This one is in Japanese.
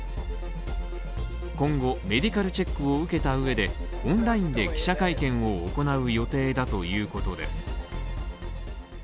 今後メディカルチェックを受けた上で、オンラインで記者会見を行う予定だということです。